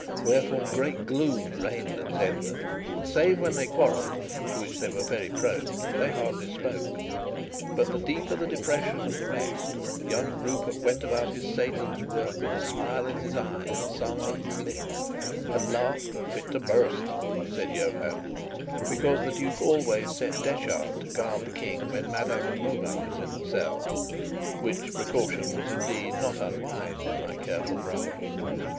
Wherefore great gloom reigned at Zenda; and save when they quarrelled, to which they were very prone, they hardly spoke. But the deeper the depression of the rest, young Rupert went about Satan's work with a smile in his eye and a song on his lip; and laughed "fit to burst" (said Johann) because the duke always set Detchard to guard the King when Madame de Mauban was in the cell which precaution was, indeed, not unwise in my careful brother.